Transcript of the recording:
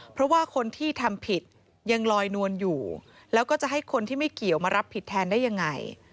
เพราะว่าคนที่ทำผิดยังลอยนวลอยู่แล้วก็จะให้คนที่ไม่เกี่ยวมารับผิดแทนได้ยังไง